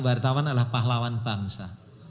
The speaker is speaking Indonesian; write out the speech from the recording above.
wartawan adalah pahlawan bangsa